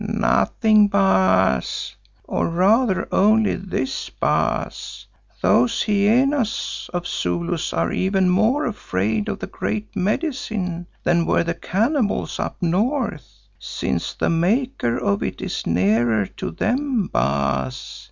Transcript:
"Nothing, Baas, or rather, only this, Baas: Those hyenas of Zulus are even more afraid of the Great Medicine than were the cannibals up north, since the maker of it is nearer to them, Baas.